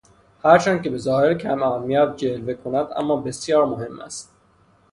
هر چند به ظاهر کماهمیت جلوه میکند اما بسیار مهم است